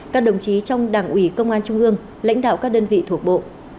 các đồng chí trong đảng ủy công an trung ương lãnh đạo các đơn vị thuộc bộ